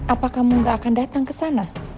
apa kamu gak akan datang ke sana